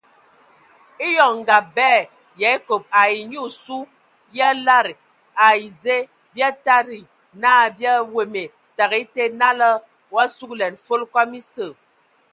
Eyɔŋ ngab bɛ yə a ekob ai e nyi osu yə a e lada ai dzə bi a tadi na bi aweme təgɛ ete, nala o a sugəlɛn fol kɔm esə.